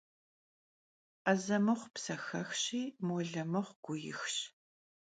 'eze mıxhu psexexşi, mole mıxhu guixş.